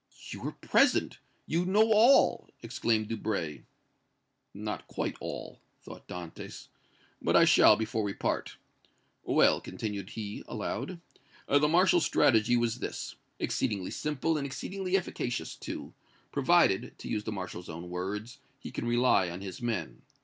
"You were present you know all!" exclaimed Debray. "Not quite all," thought Dantès, "but I shall before we part. Well," continued he, aloud, "the Marshal's strategy was this exceedingly simple and exceedingly efficacious, too, provided, to use the Marshal's own words, he can rely on his men.